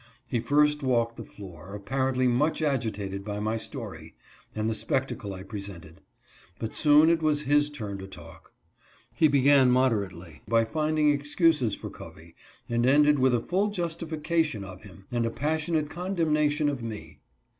He first walked the floor, apparently much agitated by my story, and the spectacle I presented ; but soon it was his turn to talk. He began moderately by finding excuses for Covey, and ended with a full justification of him, and a passionate condemnation of me.